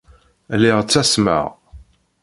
Lliɣ ttasmeɣ.